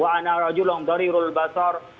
wa ana rajulun dharirul basar